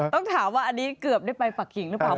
ต้องถามว่าอันนี้เกือบได้ไปฝักขิงหรือเปล่า